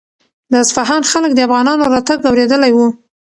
د اصفهان خلک د افغانانو راتګ اورېدلی و.